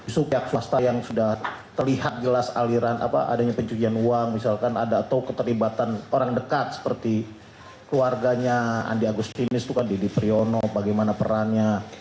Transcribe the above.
supiak swasta yang sudah terlihat jelas aliran apa adanya pencucian uang misalkan ada atau keterlibatan orang dekat seperti keluarganya andi agustinus itu kan deddy priyono bagaimana perannya